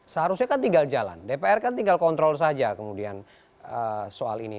seharusnya kan tinggal jalan dpr kan tinggal kontrol saja kemudian soal ini